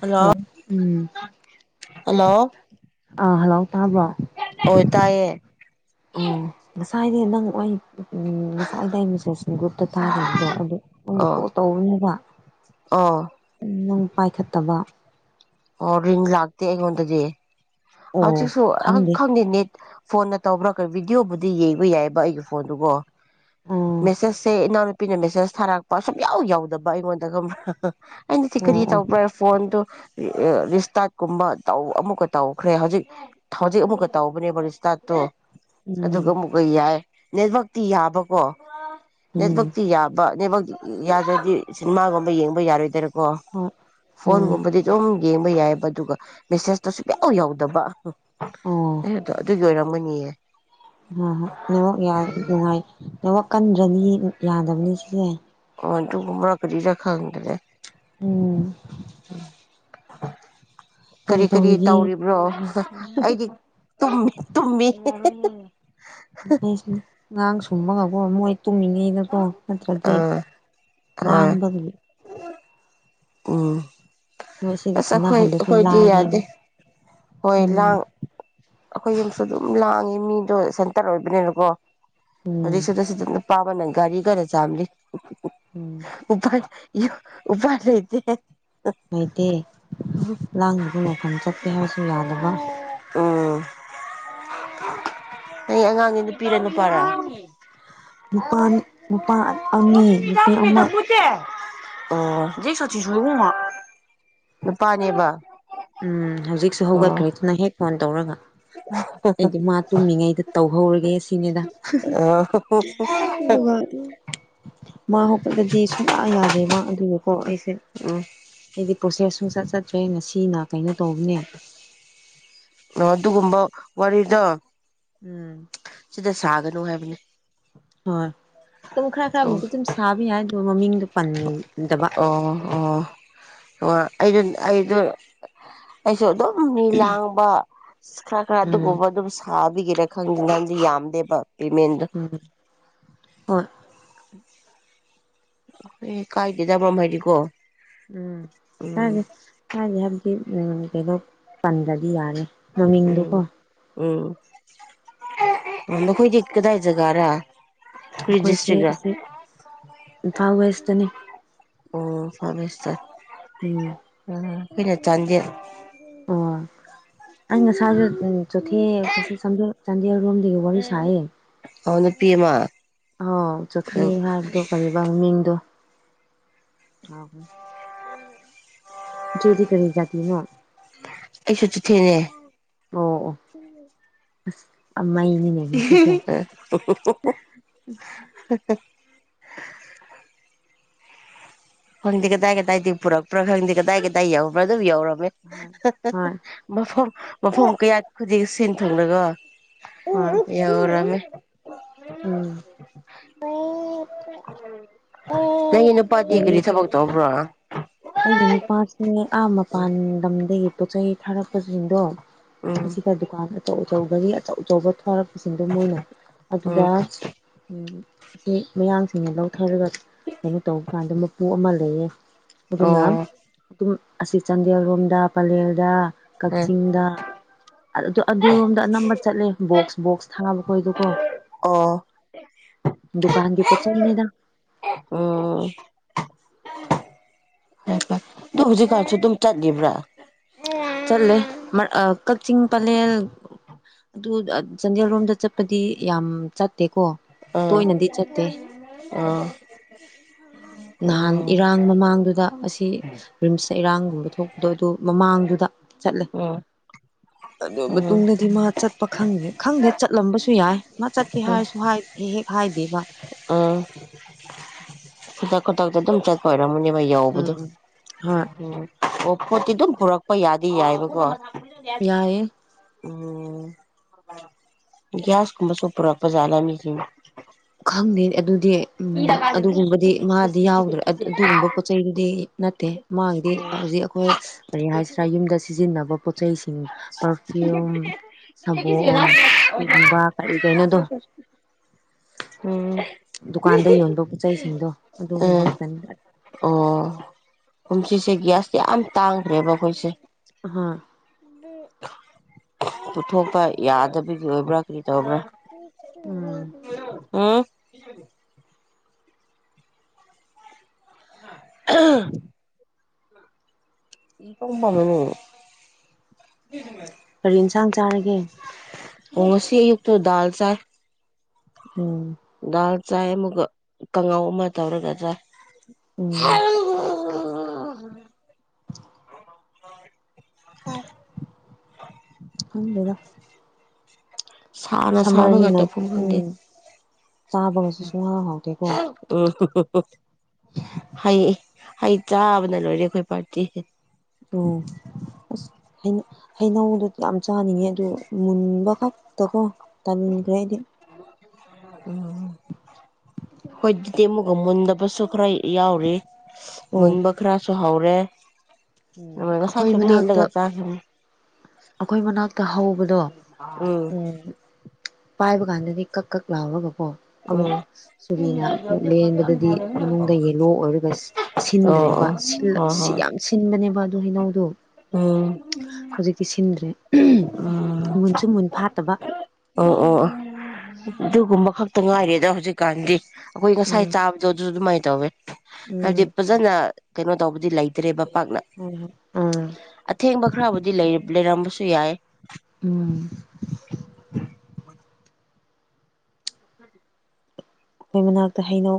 hello hello ꯑꯥ hello ꯇꯥꯕ꯭ꯔꯣ ꯑꯣꯏ ꯇꯥꯏꯌꯦ ꯑꯣ ꯉꯁꯥꯏꯗꯤ ꯅꯪ ꯎꯏ ꯎꯪ ꯉꯁꯥꯏꯗ ꯑꯩ ꯃꯦꯁꯦꯁ ꯒ꯭ꯔꯨꯞꯇ ꯊꯥꯈꯤꯕꯗꯣ ꯑꯗꯨ ꯀꯣꯜ ꯇꯧꯕꯅꯦꯕ ꯑꯥ ꯅꯪ ꯄꯥꯏꯈꯠꯇꯕ ꯑꯣ ꯔꯤꯡ ꯂꯥꯛꯇꯦ ꯑꯩꯉꯣꯟꯗꯗꯤ ꯍꯧꯖꯤꯛꯁꯨ ꯑꯩ ꯈꯪꯗꯦ ꯅꯦꯠ ꯐꯣꯟꯅ ꯇꯧꯕ꯭ꯔꯥ ꯀ ꯚꯤꯗꯤꯑꯣꯕꯨꯗꯤ ꯌꯦꯡꯕ ꯌꯥꯏꯌꯦꯕ ꯑꯩꯒꯤ ꯐꯣꯟꯗꯨ ꯀꯣ ꯑꯣ ꯃꯦꯁꯦꯁꯁꯦ ꯏꯅꯥ ꯄꯤꯅ ꯃꯦꯁꯦꯁ ꯊꯥꯔꯛꯄ ꯁꯨꯡꯌꯥꯎ ꯌꯥꯎꯗꯕ ꯑꯩꯉꯣꯟꯗ ꯈꯪꯕ꯭ꯔ ꯑꯩꯅꯗꯤ ꯑꯣ ꯀꯔꯤ ꯑꯣ ꯇꯧꯕ꯭ꯔ ꯐꯣꯟꯗꯨꯣ ꯔꯤꯁ꯭ꯇꯥꯔꯠꯀꯨꯝꯕ ꯑꯃꯨꯛꯀ ꯇꯧꯈ꯭ꯔꯦ ꯍꯧꯖꯤꯛ ꯍꯧꯖꯤꯛ ꯑꯃꯨꯛꯀ ꯇꯧꯕꯅꯦꯕ ꯔꯤꯁ꯭ꯇꯥꯔꯠꯇꯣ ꯎꯝ ꯑꯗꯨꯒ ꯑꯃꯨꯛꯀ ꯌꯥꯏ ꯅꯦꯠꯋꯥꯛꯇꯤ ꯌꯥꯕꯀꯣ ꯎꯝ ꯅꯦꯠꯋꯛꯇꯤ ꯌꯥꯕ ꯅꯦꯠꯋꯥꯛ ꯌꯥꯗ꯭ꯔꯗꯤ ꯁꯤꯟꯃꯥꯒꯨꯝꯕ ꯌꯦꯡꯕ ꯌꯥꯔꯣꯏꯗꯔ ꯀꯣ ꯍꯣꯏ ꯎꯝ ꯐꯣꯟꯒꯨꯝꯕꯗꯤ ꯑꯗꯨꯝ ꯌꯦꯡꯕ ꯌꯥꯏꯌꯦꯕ ꯑꯗꯨꯒ ꯃꯦꯁꯦꯁꯇꯣ ꯁꯨꯡꯌꯥꯎ ꯌꯧꯗꯕ ꯑꯣ ꯑꯗꯨꯒꯤ ꯑꯣꯏꯔꯝ ꯃꯤꯌꯦ ꯅꯦꯠꯋꯣꯛ ꯌꯥꯏ ꯅꯨꯡꯉꯥꯏ ꯅꯦꯠꯋꯥꯛ ꯀꯟꯗ꯭ꯔꯅꯤ ꯌꯥꯗꯕꯅꯤ ꯁꯤꯗꯤ ꯋꯥꯟ ꯑꯗꯨꯒꯨꯝꯕꯔꯥ ꯀꯔꯤꯔꯥ ꯈꯪꯗ꯭ꯔꯦ ꯎꯝ ꯀꯔꯤ ꯀꯔꯤ ꯇꯧꯔꯤꯕ꯭ꯔꯣ ꯑꯩꯗꯤ ꯇꯨꯡꯃꯤ ꯇꯨꯡꯃꯤ [inaudible] ꯑꯩꯁꯨ ꯉꯥꯡ ꯁꯨꯝꯃꯒꯀꯣ ꯃꯣꯏ ꯇꯨꯝꯃꯤꯉꯩ ꯀꯣ ꯅꯠꯇ꯭ꯔꯗꯤ ꯑꯥ ꯍꯣꯏ ꯂꯥꯡꯕꯒꯤ ꯎꯝ ꯃꯣꯏ ꯁꯤꯒ ꯑꯁ ꯑꯈꯣꯏ ꯁꯥꯟꯅꯍꯜꯂꯁꯨ ꯑꯈꯣꯏꯗꯤ ꯂꯥꯡꯉꯦꯕ ꯌꯥꯗꯦ ꯍꯣꯏ ꯎꯝ ꯂꯥꯡ ꯑꯩꯈꯣꯏ ꯌꯨꯝꯁꯨ ꯑꯗꯨꯝ ꯂꯥꯡꯉꯤ ꯃꯤꯗꯣ ꯁꯦꯟꯇꯔ ꯑꯣꯏꯕꯅꯦꯅꯀꯣ ꯎꯝ ꯍꯧꯖꯤꯛꯁꯨꯗ ꯁꯤꯗꯅ ꯅꯨꯄꯥ ꯑꯃ ꯒꯥꯔꯤ ꯀꯟꯅ ꯆꯥꯝꯂꯤ ꯎꯝ ꯎꯄꯥꯏ ꯂꯩꯇꯦ ꯂꯩꯇꯦ ꯂꯥꯡꯕꯒ ꯃꯐꯝ ꯆꯠꯀꯦ ꯍꯥꯏꯔꯁꯨ ꯌꯥꯗꯕ ꯑꯩ ꯑꯉꯥꯡꯒꯤ ꯅꯨꯄꯤꯔ ꯅꯨꯄꯥꯔꯥ ꯅꯨꯄꯥ ꯅꯨꯄꯥ ꯑꯅꯤ ꯅꯨꯄꯤ ꯑꯃ ꯅꯨꯄꯥ ꯅꯦꯕ ꯎꯝ ꯍꯧꯖꯤꯛꯁꯨ ꯍꯧꯒꯠꯈ꯭ꯔꯦ ꯑꯗꯨꯅ ꯍꯦꯛ ꯐꯣꯟ ꯇꯧꯔꯒ ꯑꯩꯗꯤ ꯃꯥ ꯇꯨꯝꯃꯤꯉꯩꯗ ꯇꯧꯍꯧꯔꯒꯦ ꯁꯤꯅꯤꯗ ꯑꯣ ꯑꯗꯨꯒ ꯃꯥ ꯍꯧꯒꯠꯂꯗꯤ ꯁꯨꯡꯌꯥ ꯌꯥꯗꯦꯕ ꯑꯗꯨꯗꯀꯣ ꯑꯩꯁꯦ ꯎꯝ ꯑꯩꯗꯤ ꯄ꯭ꯔꯣꯁꯦꯁ ꯁꯨꯡꯆꯠ ꯆꯠꯇ꯭ꯔꯦ ꯉ ꯁꯤꯅ ꯀꯩꯅꯣ ꯇꯧꯕꯅꯦ ꯑꯣ ꯑꯗꯨꯒꯨꯝꯕ ꯋꯥꯔꯤꯗꯣ ꯎꯝ ꯁꯥꯒꯅꯣ ꯍꯥꯏꯕꯅꯦ ꯍꯣꯏ ꯑꯗꯨꯝ ꯈꯔ ꯑꯣ ꯈꯔꯕꯨꯗꯤ ꯑꯗꯨꯝ ꯁꯥꯕ ꯌꯥꯏ ꯑꯗꯨꯒ ꯃꯃꯤꯡꯗꯣ ꯄꯟꯅꯤꯡ ꯑꯣ ꯑꯣ ꯑꯩꯗꯣ ꯑꯩꯗꯣ ꯑꯩꯁꯨ ꯑꯗꯨꯝ ꯃꯤ ꯂꯥꯡꯕ ꯈꯔ ꯈꯔ ꯎꯝ ꯑꯗꯨꯒꯨꯝꯕ ꯑꯗꯨꯝ ꯁꯥꯕ ꯃꯤꯒꯤꯗ ꯈꯪꯅꯤꯡ ꯉꯥꯏꯗꯤ ꯌꯥꯝꯗꯦꯕ ꯄꯦꯃꯦꯟꯗꯣ ꯎꯝ ꯍꯣꯏ [unintelligible] [unintelligible] ꯎꯝ ꯌꯥꯔꯦ ꯎꯝ ꯃꯃꯤꯡꯗꯨꯀꯣ ꯎꯝ ꯅꯈꯣꯏꯗꯤ ꯀꯗꯥꯏ ꯖꯒꯥꯔꯥ ꯀꯔꯤ ꯑꯩꯈꯣꯏꯁꯦ ꯗꯤꯁꯇ꯭ꯔꯤꯛꯔꯥ ꯑꯁꯤ ꯏꯝꯐꯥꯜ ꯋꯦꯁꯇꯅꯤ ꯑꯣ ꯐꯥꯕꯤꯁꯇ ꯎꯝ ꯎꯝ ꯑꯩꯈꯣꯏꯅ ꯆꯥꯟꯗꯦꯜ ꯑꯣ ꯑꯩ ꯉꯁꯥꯏ ꯆꯣꯊꯦ ꯆꯥꯟ ꯆꯥꯟꯗꯦꯜꯔꯣꯝꯗꯒꯤꯒ ꯋꯥꯔꯤ ꯁꯥꯏꯌꯦ ꯑꯣ ꯅꯨꯄꯤ ꯑꯃ ꯑꯣ ꯆꯣꯊꯦ ꯍꯥꯏꯕꯗꯨ ꯀꯔꯤꯕ ꯃꯃꯤꯡꯗꯨ [unintelligible] ꯏꯆꯦꯗꯤ ꯀꯔꯤ ꯖꯥꯇꯤꯅꯣ ꯑꯩꯁꯨ ꯆꯤꯊꯤ ꯅꯦ ꯑꯣ ꯑꯣ ꯑꯁ [unintelligible] [unintelligible] ꯈꯪꯗꯦ ꯀꯗꯥꯏ ꯀꯗꯥꯏꯗꯒꯤ ꯄꯨꯔꯛꯄ꯭ꯔꯥ ꯈꯪꯗꯦ ꯀꯗꯥꯏ ꯀꯗꯥꯏ ꯌꯎꯧꯕ꯭ꯔꯥ ꯑꯗꯨꯝ ꯌꯧꯔꯕ ꯍꯣꯏ ꯍꯣꯏ ꯃꯐꯝ ꯃꯐꯝ ꯀꯌꯥꯠ ꯈꯨꯗꯤꯡ ꯁꯤꯟ ꯊꯨꯡꯂꯒ ꯍꯣꯏ ꯌꯥꯎꯔꯝꯃꯦ ꯎꯝ ꯅꯪꯒꯤ ꯅꯨꯄꯗꯤ ꯀꯔꯤ ꯑꯩꯒꯤ ꯅꯨꯄꯥꯁꯤ ꯑꯥ ꯃꯄꯥꯟ ꯂꯝꯗꯒꯤ ꯄꯣꯠꯆꯩ ꯊꯥꯔꯛꯄꯁꯤꯡꯗꯣ ꯎꯝ ꯑꯁꯤꯗ ꯗꯨꯀꯥꯟ ꯑꯆꯧ ꯑꯆꯧꯕꯒꯤ ꯑꯆꯧ ꯊꯥꯔꯛꯄꯁꯤꯡꯗꯣ ꯃꯣꯏꯅ ꯎꯝ ꯑꯗꯨꯗ ꯃꯌꯥꯡ ꯃꯤꯅ ꯂꯧꯊꯔꯒ ꯀꯩꯅꯣ ꯇꯧꯕ ꯀꯥꯟꯗ ꯃꯄꯨ ꯑꯃ ꯂꯩꯌꯦ ꯑꯗꯨꯅ ꯎꯝ ꯑꯣ ꯑꯗꯨꯝ ꯑꯁꯤ ꯆꯥꯟꯗꯦꯜꯔꯣꯝꯗ ꯄꯂꯦꯜꯗ ꯑ ꯀꯛꯆꯤꯡꯗ ꯑꯗꯨꯔꯣꯝꯗ ꯑꯅꯝꯕ ꯅꯦ ꯕꯣꯛꯁ ꯕꯣꯛꯁ ꯊꯥꯕ ꯈꯣꯏꯗꯣꯀꯣ ꯑꯣ ꯗꯨꯀꯥꯟꯒꯤ ꯄꯣꯆꯩ ꯅꯦꯗ ꯎꯝ ꯐꯦ ꯐꯔꯦ ꯑꯗꯨ ꯍꯧꯖꯤꯛꯀꯥꯟꯁꯨ ꯑꯗꯨꯝ ꯆꯠꯂꯤꯕ꯭ꯔꯥ ꯆꯠꯂꯦ ꯀꯛꯆꯤꯡ ꯄꯂꯦꯜ ꯑꯗꯨ ꯆꯥꯟꯗꯦꯜꯔꯣꯝꯗ ꯆꯠꯄꯗꯤ ꯌꯥꯝ ꯆꯠꯇꯦꯀꯣ ꯑꯥ ꯇꯣꯏꯅꯗꯤ ꯆꯠꯇꯦ ꯑꯥ ꯅꯍꯥꯟ ꯎꯝ ꯏꯔꯥꯡ ꯃꯃꯥꯡꯗꯨꯗ ꯑꯁꯤ ꯔꯤꯝꯁꯇ ꯏꯔꯥꯡ ꯊꯣꯛꯄꯗꯣ ꯑꯗꯨ ꯃꯃꯥꯡꯗꯨꯗ ꯆꯠꯂꯦ ꯎꯝ ꯑꯗꯨ ꯎꯝ ꯃꯇꯨꯡꯗꯗꯤ ꯃꯥ ꯆꯠꯄ ꯈꯪꯗ꯭ꯔꯦ ꯈꯪꯗ꯭ꯔꯦ ꯆꯠꯂꯝꯕꯁꯨ ꯌꯥꯏ ꯃꯥ ꯆꯠꯀꯦ ꯎꯝ ꯍꯥꯏꯔꯁꯨ ꯍꯦꯛ ꯍꯥꯏꯗꯦꯕ [unintelligible] ꯈꯨꯗꯛ ꯈꯨꯗꯛꯇ ꯑꯗꯨꯝ ꯆꯠꯄ ꯑꯣꯏꯔꯝꯃꯅꯦꯕ ꯌꯧꯕꯗꯣ ꯎꯝ ꯍꯣꯏ ꯎꯝ ꯑꯣ ꯄꯣꯠꯇꯤ ꯑꯗꯨꯝ ꯄꯨꯔꯛꯄ ꯌꯥꯗꯤ ꯌꯥꯏꯕꯀꯣ ꯌꯥꯏꯌꯦ ꯎꯝ ꯒꯤꯌ꯭ꯥꯁ ꯀꯨꯝꯕꯁꯨ ꯄꯨꯔꯛꯄꯖꯥꯠꯂ ꯃꯤꯒꯤ ꯈꯪꯗꯦ ꯑꯗꯨ ꯗꯤ ꯎꯝ ꯑꯗꯨꯒꯨꯝꯕꯗꯤ ꯃꯥꯗꯤ ꯌꯥꯎꯗ꯭ꯔꯦ ꯑꯗꯨꯒꯨꯝꯕ ꯄꯣꯠ ꯆꯩꯗꯨꯗꯤ ꯅꯠꯇꯦ ꯃꯒꯤꯗꯤ ꯍꯧꯖꯤꯛ ꯑꯩꯈꯣꯏ ꯀꯔꯤ ꯍꯥꯏꯁꯤꯔꯥ ꯌꯨꯝꯗ ꯁꯤꯖꯤꯟꯅꯕ ꯄꯣꯠ ꯆꯩꯁꯤꯡ ꯄꯔꯐꯤꯌꯨꯝ ꯁꯥꯕꯟ ꯑꯗꯨꯒꯨꯝꯕ ꯀꯔꯤ ꯀꯩꯅꯣꯗꯣ ꯎꯝ ꯗꯨꯀꯥꯟꯗ ꯌꯣꯟꯕ ꯄꯣꯠꯆꯩꯁꯤꯡꯗꯣ ꯑꯗꯨꯒꯨꯝꯕ ꯎꯝ ꯈꯛꯇꯅꯤ ꯒꯤꯌꯥ꯭ꯁ ꯌꯝ ꯇꯥꯡꯒ꯭ꯔꯦꯕ ꯑꯩꯈꯣꯏꯁꯦ ꯑꯍꯥꯥ ꯄꯨꯊꯣꯛꯄ ꯌꯥꯗꯕꯒꯤ ꯑꯣꯏꯕ꯭ꯔꯥ ꯀꯔꯤ ꯇꯧꯕ꯭ꯔꯥ ꯎꯝ [unintelligible] [unintelligible] [unintelligible] ꯀꯔꯤ ꯏꯟꯁꯥꯡ ꯆꯥꯔꯒꯦ ꯑꯣꯉꯥꯁꯤ ꯌꯨꯛꯇꯣ ꯗꯜ ꯆꯥꯏ ꯎꯝ ꯗꯥꯜ ꯆꯥꯏ ꯑꯃꯨꯒ ꯀꯥꯡꯉꯥꯎ ꯑꯃ ꯇꯧꯔꯒ ꯆꯥꯏ ꯎꯝ [unintelligible] ꯈꯪꯗꯦꯗ ꯁꯥꯅ ꯁꯥꯕꯒ ꯁꯝꯃꯔꯅꯤꯅ ꯇꯧꯐꯝ ꯈꯪꯗꯦ ꯎꯝ ꯆꯥꯕꯒꯁꯨ ꯁꯨꯡꯍꯥꯎ ꯍꯥꯎꯇꯦꯀꯣ ꯎꯝ ꯎ ꯍꯩ ꯍꯩ ꯆꯥꯕꯅ ꯂꯣꯏꯔꯦ ꯑꯩꯈꯣꯏ ꯄꯥꯔꯇꯤ ꯑꯣ ꯑꯁ ꯍꯩ ꯍꯩꯅꯧꯗꯨ ꯌꯥꯝ ꯆꯥꯅꯤꯡꯉꯦ ꯑꯗꯨ ꯃꯨꯟꯕ ꯈꯛꯇꯀꯣ ꯇꯥꯟꯒ꯭ꯔꯦꯗꯤ ꯎꯝ ꯈꯣꯏꯖꯤꯗꯤ ꯑꯃꯨꯛ ꯑꯣ ꯃꯨꯟꯗꯕꯁꯨ ꯈꯔ ꯌꯥꯎꯔꯤ ꯎꯝ ꯃꯨꯟꯕ ꯈꯔꯁꯨ ꯍꯧꯔꯦ ꯎꯝ ꯑꯗꯨꯒ ꯉꯁꯥꯏꯁꯨ ꯑꯩꯈꯣꯏ ꯃꯅꯥꯛꯇ ꯃꯦꯠꯂꯒ ꯆꯥꯈꯤꯕꯅꯤ ꯑꯩꯈꯣꯏ ꯃꯅꯥꯛꯇ ꯍꯧꯕꯗꯣ ꯎꯝ ꯄꯥꯏꯕ ꯀꯥꯟꯗꯗꯤ ꯀꯛ ꯀꯛ ꯂꯥꯎꯔꯒ ꯑꯣ ꯑꯣ ꯑꯣ ꯑꯃꯨꯛ ꯁꯨꯔꯤꯅ ꯑꯃꯨꯛ ꯂꯦꯟꯕꯗꯗꯤ ꯃꯅꯨꯡꯗ ꯌꯦꯂꯣ ꯑꯣꯏꯔꯒ ꯁꯤꯟ ꯁꯤꯟꯗ ꯁꯤꯟꯗ꯭ꯔꯦꯕ ꯁꯤꯜꯂ ꯍꯣꯏ ꯁꯤ ꯍꯣꯏ ꯌꯥꯝ ꯁꯤꯟꯕꯅꯦꯕ ꯑꯗꯨ ꯍꯩꯅꯧꯗꯣ ꯎꯝ ꯎꯝ ꯑꯦ ꯃꯨꯟꯁꯨ ꯃꯨꯟꯐꯥꯠꯇꯕ ꯑꯣ ꯑꯣ ꯑꯗꯨꯒꯨꯝꯕ ꯈꯛꯇ ꯉꯥꯏꯔꯦꯗ ꯍꯧꯖꯤꯛꯀꯥꯟꯗꯤ ꯑꯩꯈꯣꯏ ꯉꯁꯥꯏ ꯎꯝ ꯆꯥꯕꯗꯣ ꯑꯗꯨꯁꯨ ꯑꯗꯨꯃꯥꯏꯅ ꯇꯧꯋꯦ ꯍꯥꯏꯕꯗꯤ ꯎꯝ ꯐꯖꯅ ꯀꯩꯅꯣ ꯇꯧꯕꯗꯤ ꯂꯩꯇ꯭ꯔꯦꯕꯥ ꯄꯥꯛꯅ ꯍꯣꯏ ꯍꯣꯏ ꯑꯥ ꯑꯊꯦꯡꯕ ꯈꯔꯕꯨꯗꯤ ꯂꯩ ꯂꯩꯔꯝꯕꯁꯨ ꯌꯥꯏꯑꯦ ꯎꯝ ꯑꯩꯈꯣꯏ ꯃꯅꯥꯛꯇ ꯍꯩꯅꯧ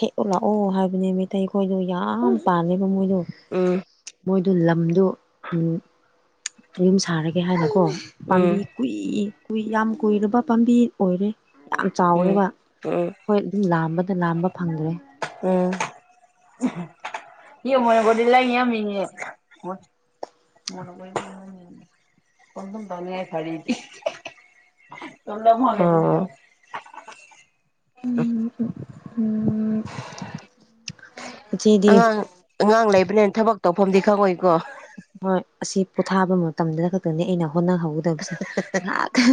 ꯍꯦꯛꯎ ꯂꯥꯛꯑꯣ ꯍꯥꯏꯕꯅꯦ ꯃꯩꯇꯩ ꯈꯣꯏꯗꯣ ꯌꯥꯝ ꯄꯥꯜꯂꯦ ꯃꯃꯣꯏꯗꯣ ꯎꯝ ꯃꯣꯏ ꯑꯗꯨ ꯂꯝꯗꯣ ꯎꯝ ꯌꯨꯝ ꯁꯥꯔꯒꯦ ꯍꯥꯏꯕꯀꯣ ꯄꯥꯝꯕꯤ ꯎꯝ ꯀꯨꯏ ꯨꯀꯨꯏ ꯌꯥꯝ ꯀꯨꯏꯔꯕ ꯄꯥꯝꯕꯤ ꯑꯣꯏꯔꯦ ꯌꯥꯝ ꯎꯝ ꯆꯥꯎꯔꯦꯕ ꯎꯝ ꯍꯣꯏ ꯑꯗꯨꯝ ꯂꯥꯝꯕꯗ ꯂꯥꯝꯕ ꯐꯪꯗ꯭ꯔꯦ [unintelligible] [unintelligible] ꯑꯣ ꯎꯝ ꯎꯝ ꯏꯆꯦꯗꯤ ꯑꯉꯥꯡ ꯑꯉꯥꯡ ꯂꯩꯕꯅꯦꯅ ꯊꯕꯛ ꯇꯧꯐꯝꯗꯤ ꯈꯪꯉꯣꯏꯀꯣ ꯍꯣꯏ ꯑꯁꯤ ꯄꯣꯊꯥꯕ ꯃꯇꯝꯗ ꯈꯛꯇꯦꯅꯦ ꯑꯩꯅ ꯍꯣꯠꯅꯍꯧꯒꯗꯕꯁꯦ ꯉꯥꯏꯍꯥꯛ ꯑꯍ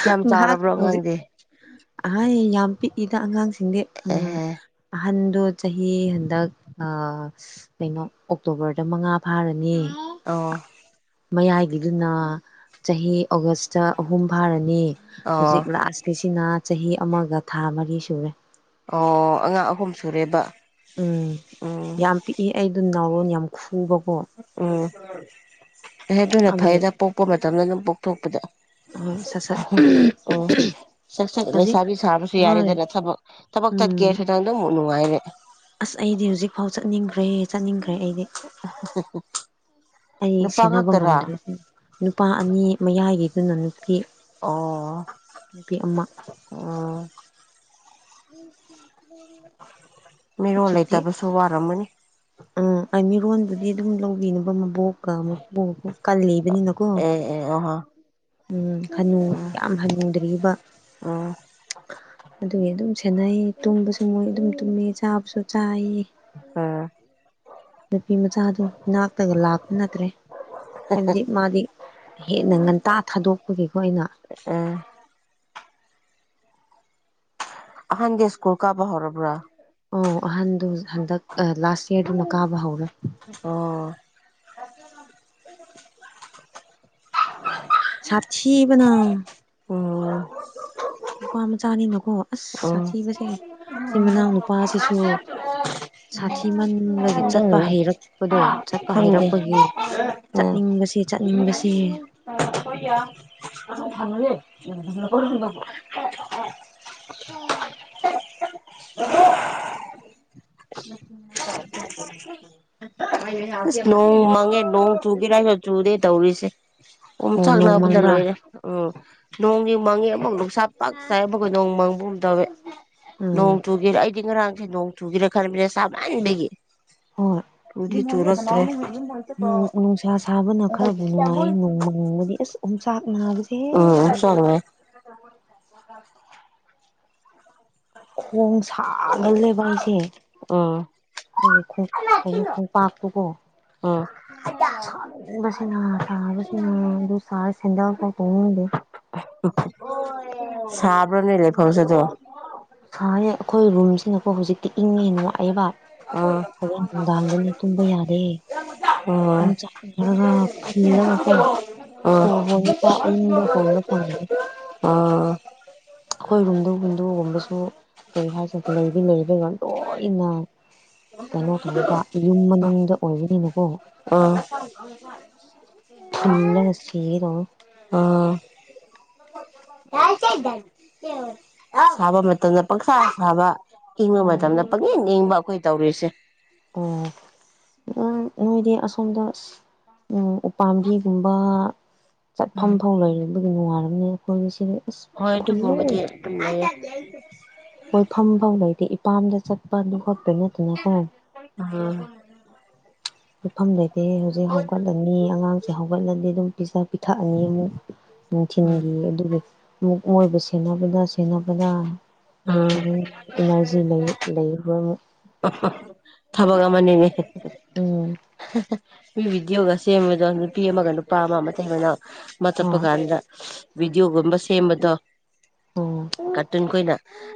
ꯀꯌꯥꯝ ꯍ ꯍꯉꯥꯏꯍꯥꯛ ꯆꯥꯎꯔꯕ꯭ꯔꯣ ꯍꯧꯖꯤꯛ ꯑꯉꯥꯡꯗꯤ ꯑꯍꯩ ꯌꯥꯝ ꯄꯤꯛꯏꯗ ꯑꯉꯥꯡꯁꯤꯡꯗꯤ ꯎꯝ ꯑꯦꯍꯦ ꯑ ꯑꯍꯟꯗꯣ ꯆꯍꯤ ꯍꯟꯗꯛ ꯑ ꯀꯩꯅꯣ ꯑꯣꯛꯇꯣꯕꯔꯗ ꯃꯉꯥ ꯐꯥꯔꯅꯤ ꯑꯣ ꯃꯌꯥꯏꯒꯤꯗꯨꯅ ꯆꯍꯤ ꯑꯣꯒꯁꯇ ꯑꯍꯨꯝ ꯐꯥꯔꯅꯤ ꯑꯣ ꯍꯧꯖꯤꯛ ꯂꯥꯁꯀꯤꯁꯤꯅ ꯆꯍꯤ ꯑꯃꯒ ꯊꯥ ꯃꯔꯤ ꯁꯨꯔꯦ ꯑꯣ ꯑꯉꯥꯡ ꯑꯍꯨꯝ ꯁꯨꯔꯦꯕ ꯎꯝ ꯎꯝ ꯌꯥꯝ ꯄꯤꯛꯏ ꯑꯩꯗꯣ ꯅꯥꯎꯔꯣꯟ ꯌꯥꯝ ꯈꯨꯕ ꯎꯝ ꯑꯦꯑꯗꯨꯅ ꯑꯗꯨꯒꯤ ꯐꯩꯗ ꯄꯣꯛꯄ ꯃꯇꯝꯗ ꯑꯗꯨꯝ ꯄꯣꯛꯊꯣꯛꯄꯗ ꯍꯣꯏ ꯁꯠ ꯁꯠ ꯎꯝ ꯁꯠ ꯁꯠ ꯍꯧꯖꯤꯛ ꯂꯩꯁꯥꯕꯤ ꯁꯥꯕꯁꯨ ꯍꯣꯏ ꯌꯥꯔꯦꯗꯅ ꯊꯕꯛ ꯊꯕꯛ ꯎꯝ ꯇꯠꯀꯦꯁꯨ ꯅꯪ ꯑꯗꯨꯝ ꯅꯨꯡꯉꯥꯏꯔꯦ ꯑꯁ ꯑꯩꯗꯤ ꯍꯧꯖꯤꯛ ꯐꯥꯎ ꯆꯠꯅꯤꯡꯒ꯭ꯔꯦ ꯆꯠꯅꯤꯡꯒ꯭ꯔꯦ [unintelligible] ꯑꯩ ꯅꯨꯄꯥ ꯁꯦꯟꯅꯕ ꯉꯥꯛꯇꯔꯥ ꯉꯝꯗ꯭ꯔꯦꯁꯦ ꯅꯨꯄꯥ ꯑꯅꯤ ꯃꯌꯥꯏꯒꯤꯗꯨꯅ ꯅꯨꯄꯤ ꯑꯣ ꯅꯨꯄꯤ ꯑꯃ ꯎꯝ [unintelligible] ꯃꯤꯔꯣꯜ ꯍꯧꯖꯤꯛꯇꯤ ꯂꯩꯇꯕꯁꯨ ꯋꯥꯔꯝꯃꯅꯤ ꯎꯝ ꯑꯩ ꯃꯤꯔꯣꯟꯕꯨꯗꯤ ꯑꯗꯨꯝ ꯂꯧꯕꯤꯅꯕ ꯃꯕꯣꯛ ꯀ ꯃꯄꯨ ꯃꯄꯨ ꯀꯜꯂꯤꯕꯅꯤꯅꯀꯣ ꯑꯦ ꯑꯦ ꯑꯍ ꯎꯝ ꯍꯟꯅꯨ ꯎꯝ ꯌꯥꯝ ꯍꯟꯅꯨꯗ꯭ꯔꯤꯕ ꯎꯝ ꯑꯗꯨꯒꯤ ꯑꯗꯨꯝ ꯁꯤ ꯁꯦꯟꯅꯩ ꯇꯨꯝꯕꯁꯨ ꯃꯣꯏ ꯑꯗꯨꯝ ꯇꯨꯝꯃꯦ ꯆꯥꯕꯁꯨ ꯆꯥꯏꯑꯦꯌꯦ ꯎꯝ ꯅꯨꯄꯤ ꯃꯆꯥꯗꯨ ꯏꯅꯥꯛꯇꯒ ꯂꯥꯛꯄ ꯅꯠꯇ꯭ꯔꯦ ꯍꯥꯏꯕꯗꯤ ꯃꯥꯗꯤ ꯍꯦꯟꯅ ꯉꯟꯇꯥ ꯊꯥꯗꯣꯛꯄꯒꯤꯀꯣ ꯑꯩꯅ [inaudible] ꯎꯝ ꯑꯍꯥꯟ ꯗꯦ ꯏꯁꯀꯨꯜ ꯀꯥꯕ ꯍꯧꯔꯕ꯭ꯔ ꯑꯣ ꯑꯍꯟꯗꯨ ꯍꯟꯗꯛ ꯂꯥꯁ ꯌꯥꯔꯗꯨꯅ ꯀꯥꯕ ꯍꯧꯔꯦ ꯑꯣ ꯁꯥꯊꯤꯕꯅꯥ ꯎꯝ ꯑꯣ ꯑꯁ ꯎꯝ ꯁꯥꯊꯤꯕꯁꯦ ꯁꯤ ꯃꯅꯥꯎ ꯅꯨꯄꯥꯁꯤꯁꯨ [unintelligible] ꯁꯥꯊꯤ ꯃꯟꯕꯒꯤ ꯆꯠꯄ ꯑꯗꯨꯅꯅꯦ ꯍꯩꯔꯛꯄꯗꯣ ꯆꯠꯄ ꯈꯪꯗꯦ ꯍꯩꯔꯛꯄꯒꯤ ꯎꯝ ꯆꯠꯅꯤꯡꯕꯁꯤ ꯆꯠꯅꯤꯡꯕꯁꯤ [unintelligible] ꯕꯦ [inaudible] ꯅꯣꯡ ꯃꯪꯉꯦ ꯅꯣꯡ ꯆꯨꯒꯦꯔꯁꯨ ꯆꯨꯗꯦ ꯇꯧꯔꯤꯁꯦ ꯑꯣꯝ ꯑꯣ ꯆꯥꯛ ꯅꯣꯡ ꯅꯥꯕꯗ ꯃꯪꯕ꯭ꯔꯥ ꯂꯣꯏꯔꯦ ꯎꯝ ꯅꯣꯡꯒꯤ ꯃꯥꯡꯉꯦ ꯑꯃꯐ ꯁ ꯄꯥꯛ ꯆꯥꯏꯕꯒꯣ ꯅꯣꯡ ꯃꯥꯡꯕꯒꯨꯝ ꯇꯧꯋꯦ ꯅꯣꯡ ꯎꯝ ꯆꯨꯒꯦꯔ ꯑꯩꯗꯤ ꯉꯔꯥꯡ ꯅꯣꯡ ꯆꯨꯒꯦꯔ ꯈꯟꯕꯅꯤ ꯁꯥꯃꯟꯕꯒꯤ ꯍꯣꯏ ꯆꯨꯗꯤ ꯑꯁ ꯆꯨꯔꯛꯇ꯭ꯔꯦ ꯎꯝ ꯅꯨꯡꯁꯥ ꯁꯥꯕꯅ ꯈꯔꯕꯨ ꯅꯨꯡꯉꯥꯏ ꯅꯣꯡꯃꯪꯕꯗꯤ ꯑꯁ ꯑꯣꯝꯆꯥꯛ ꯅꯥꯕꯁꯦ ꯎꯝ ꯆꯪꯉꯦ [unintelligible] ꯈꯣꯡ ꯁꯥꯒꯜ ꯂꯦꯕ ꯑꯩꯁꯦ ꯎꯝ ꯑꯩꯒꯤ ꯀꯩꯅꯣ ꯈꯣꯡꯄꯥꯛꯇꯨꯀꯣ ꯎꯝ ꯁꯃꯟꯕꯁꯤꯅꯥ ꯁꯕꯁꯤꯅꯥ ꯑꯗꯨ ꯁꯔ ꯁꯦꯟꯗꯜ ꯐꯥꯎ ꯇꯣꯡꯅꯤꯗꯦ ꯁꯥꯕ꯭ꯔꯅꯦ ꯂꯩꯐꯧꯁꯗꯣ ꯁꯥꯌꯦ ꯑꯩꯈꯣꯏ ꯔꯨꯝꯁꯤꯅꯀꯣ ꯍꯧꯖꯤꯛ ꯇꯤ ꯏꯪꯉꯦ ꯅꯨꯡꯉꯥꯏꯑꯦꯕ ꯎꯝ ꯍꯣꯔꯦꯟ ꯅꯨꯡꯗꯥꯡꯗꯅꯤ ꯇꯨꯝꯕ ꯌꯥꯗꯦ ꯎꯝ ꯆꯥꯛꯅꯔꯒꯥ ꯐꯨꯜꯂꯒꯀꯣ ꯑꯣ ꯁꯣꯔ ꯍꯣꯟꯕ ꯐꯥꯎ ꯑꯏꯪꯕ ꯍꯣꯟꯕ ꯐꯪꯗꯦ ꯑꯣ [unintelligible] ꯀꯔꯤ ꯍꯥꯏꯁꯤꯔ ꯂꯩꯗꯤ ꯂꯩꯔꯒ ꯂꯣꯏꯅ ꯀꯩꯅꯣ ꯇꯧꯕ ꯌꯨꯝ ꯃꯅꯨꯡꯗ ꯑꯣꯏꯕꯅꯤꯅꯀꯣ ꯑꯥ ꯐꯨꯜꯂꯒꯥ ꯁꯤꯒꯦ ꯇꯧꯋꯦ ꯎꯝ ꯁꯥꯕ ꯃꯇꯝꯗ ꯄꯪꯁꯥ ꯁꯥꯕ ꯏꯪꯕ ꯎꯝ ꯃꯇꯝꯗ ꯄꯪꯏꯡ ꯏꯪꯕ ꯑꯩꯈꯣꯏ ꯇꯧꯔꯤꯁꯦ ꯎꯝ ꯎꯝ ꯅꯣꯏꯗꯤ ꯑꯁꯣꯝꯗ ꯑꯁ ꯎꯄꯥꯝꯕꯤꯒꯨꯝꯕ ꯆꯠ ꯐꯥꯝ ꯎꯝ ꯐꯧ ꯂꯩꯕꯒꯤ ꯅꯨꯡꯉꯥꯔꯃꯤꯅ ꯑꯩꯈꯣꯏ ꯁꯔꯦ ꯍꯣꯏ ꯑꯗꯨꯒꯨꯝꯕꯗꯤ ꯑꯗꯨꯝ ꯂꯩꯌꯦ ꯄꯥꯝꯗ ꯆꯠꯄꯗꯨ ꯈꯛꯇ ꯅꯠꯇꯦꯅꯦꯀꯣ ꯎꯝ ꯄꯤꯐꯝ ꯂꯩꯇꯦ ꯍꯧꯖꯤꯛ ꯍꯧꯒꯠꯂꯅꯤ ꯑꯉꯥꯡꯁꯦ ꯍꯧꯒꯠꯂꯗꯤ ꯑꯗꯨꯝ ꯄꯤꯖꯥ ꯄꯤꯊꯛꯑꯅꯤ ꯑꯃꯨꯛ ꯎꯝ ꯅꯨꯡꯊꯤꯟꯒꯤ ꯑꯗꯨꯒ ꯃꯨꯛ ꯃꯣꯏꯕꯨ ꯁꯦꯟꯅꯕꯗ ꯁꯦꯟꯅꯕꯗ ꯎꯝ ꯏꯅꯔꯖꯤ ꯂꯩ ꯂꯩꯔꯣꯏꯕ ꯃꯅꯤꯅꯦ ꯎꯝ ꯃꯤ ꯚꯤꯗꯤꯑꯣꯒ ꯁꯦꯝꯕꯗꯣ ꯅꯨꯄꯤ ꯑꯃꯒ ꯅꯨꯄꯥ ꯑꯃꯒ ꯑꯃꯇꯩ ꯃꯅꯥꯎ ꯑꯃ ꯑꯥ ꯆꯠꯄꯀꯥꯟꯗ ꯕꯤꯗꯤꯑꯣꯒꯨꯝꯕ ꯁꯦꯝꯕꯗꯣ ꯎꯝ ꯀꯥꯔꯇꯨꯟꯈꯣꯏꯅ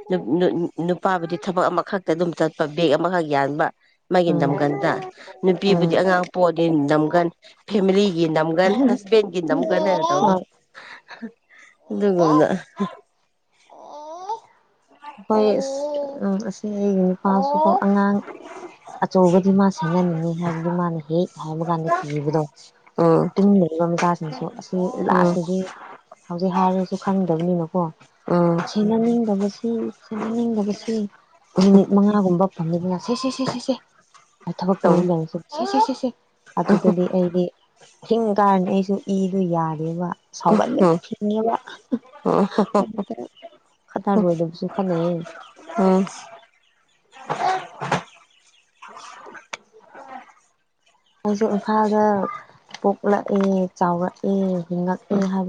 ꯅꯨ ꯅꯨ ꯅꯨꯄꯥꯕꯨꯗꯤ ꯊꯕꯛ ꯑꯃꯈꯛꯇ ꯑꯗꯨꯝ ꯆꯠꯄ ꯕꯦꯛ ꯑꯃꯈꯛ ꯌꯥꯟꯕ ꯃꯥꯒꯤ ꯎꯝ ꯅꯝꯒꯟꯗ ꯅꯨꯄꯤꯕꯨꯗꯤ ꯑꯉꯥꯡ ꯄꯣꯛꯑꯅꯤ ꯅꯝꯒꯟ ꯐꯦꯃꯤꯂꯤ ꯒꯤ ꯅꯝꯒꯟ ꯎꯝ ꯍꯁꯕꯦꯟꯒꯤ ꯅꯝꯒꯅ ꯍꯥꯏꯅ ꯇꯧꯕ ꯑꯗꯨ ꯒꯨꯝꯅ ꯍꯣꯏꯑꯁ ꯎꯝ ꯑꯁꯤ ꯑꯩꯒꯤꯅꯤ ꯄꯥꯎꯁꯨꯗꯨ ꯑꯉꯥꯡ ꯑꯆꯧꯕꯗꯤ ꯃꯥ ꯁꯦꯟꯅꯅꯤꯡꯉꯤ ꯍꯥꯏꯕꯗꯤ ꯃꯥꯅ ꯍꯦꯛ ꯍꯥꯏꯕ ꯀꯥꯟꯗ ꯀꯤꯕꯗꯣ ꯎꯝ ꯇꯨꯃꯤꯟ ꯂꯩꯕ ꯃꯆꯥꯁꯤꯡꯁꯨ ꯑꯁꯤ ꯎꯝ ꯂꯥꯁꯇꯗꯤ ꯍꯧꯖꯤꯛ ꯍꯥꯏꯔꯁꯨ ꯈꯪꯗꯕꯅꯤꯅꯀꯣ ꯎꯝ ꯁꯦꯟꯅꯅꯤꯡꯗꯕꯁꯤ ꯁꯤꯅ ꯅꯤꯡꯗꯕꯁꯤ ꯅꯨꯃꯤꯠ ꯃꯉꯥꯒꯨꯝꯕ ꯐꯪꯉꯤꯗꯅ ꯁꯦ ꯁꯦ ꯁꯦ ꯁꯦ ꯑꯩ ꯊꯕꯛ ꯇꯧꯕ ꯎꯝ ꯂꯩꯔꯁꯨ ꯁꯦ ꯁꯦ ꯁꯦꯁꯦ ꯑꯗꯨꯗꯗꯤ ꯑꯩꯗꯤ ꯐꯤꯡ ꯀꯥꯔꯅꯤ ꯑꯩꯁꯨ ꯏꯗꯨ ꯌꯥꯗꯦꯕ ꯁꯥꯎꯒꯠꯂꯦ ꯎꯝ ꯐꯤꯡꯉꯦꯕ ꯎꯝ ꯑꯗꯨꯗ ꯈꯠꯅꯔꯣꯏꯗꯕꯁꯨ ꯈꯠꯅꯦꯌꯦ ꯎꯝ ꯑꯩꯁꯨ ꯏꯝꯐꯥꯜꯗ ꯄꯣꯛꯂꯛꯑꯦ ꯆꯥꯎꯔꯛꯑꯦ ꯍꯤꯡꯑꯛꯑꯦ ꯍꯥꯏꯕ